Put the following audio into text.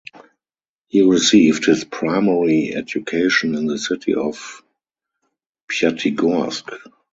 He received his primary education in the city of Pyatigorsk.